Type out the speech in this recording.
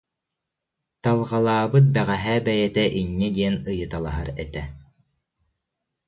Талҕалаабыт бэҕэһээ бэйэтэ инньэ диэн ыйыталаһар этэ